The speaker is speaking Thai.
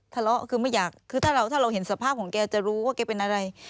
ทะเลาะคือไม่อยากคือถ้าเราถ้าเราเห็นสภาพของแกจะรู้ว่าแกเป็นอะไร